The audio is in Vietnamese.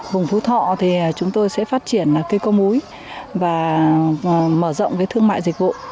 vùng phú thọ thì chúng tôi sẽ phát triển là cây con múi và mở rộng cái thương mại dịch vụ